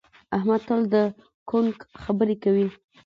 احمد تل د کونک خبرې کوي.